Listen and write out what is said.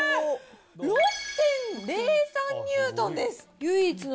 ６．０３ニュートンです。